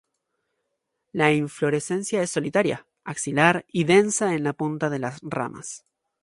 La inflorescencia es solitaria, axilar y densa en la punta de las ramas.